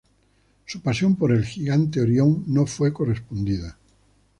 Su pasión por el gigante Orión no fue correspondida.